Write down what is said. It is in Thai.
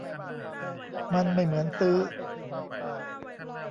มันไม่เหมือนซื้อ